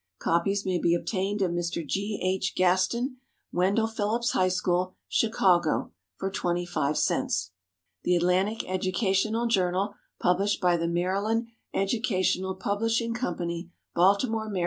Copies may be obtained of Mr. G. H. Gaston, Wendell Phillips High School, Chicago, for twenty five cents. "The Atlantic Educational Journal," published by the Maryland Educational Publishing Company, Baltimore, Md.